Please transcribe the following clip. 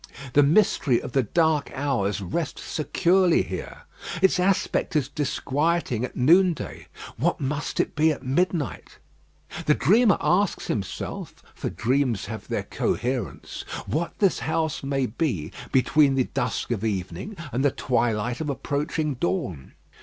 The mystery of the dark hours rests securely here. Its aspect is disquieting at noonday; what must it be at midnight? The dreamer asks himself for dreams have their coherence what this house may be between the dusk of evening and the twilight of approaching dawn?